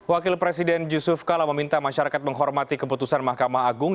wakil presiden yusuf kala meminta masyarakat menghormati keputusan mahkamah agung